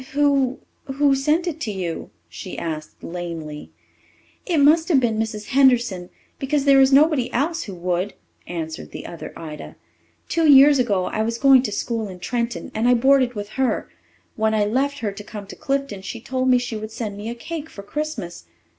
"Who who sent it to you?" she asked lamely. "It must have been Mrs. Henderson, because there is nobody else who would," answered the other Ida. "Two years ago I was going to school in Trenton and I boarded with her. When I left her to come to Clifton she told me she would send me a cake for Christmas.